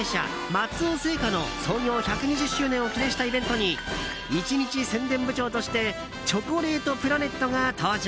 松尾製菓の創業１２０周年を記念したイベントに一日宣伝部長としてチョコレートプラネットが登場。